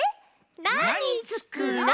「なにつくろう」！